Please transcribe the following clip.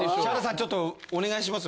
ちょっとお願いします。